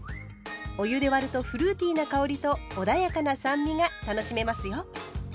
お湯で割るとフルーティーな香りとおだやかな酸味が楽しめますよ。